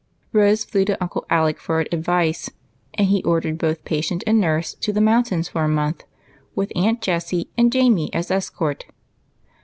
Rose flew to Uncle Alec for advice, and he ordered both patient and nurse to the mountains for a month, with Aunt Jessie and Jamie as escort.